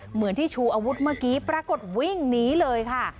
เหมือนที่ชูอาวุธเมื่อกี้ปรากฏวิ่งหนีเลยค่ะ